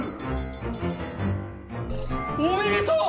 おめでとう！